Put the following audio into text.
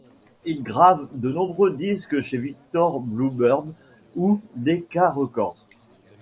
Ils gravent de nombreux disques chez Victor, Bluebird ou Decca Records.